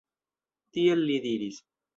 Tiel li diris.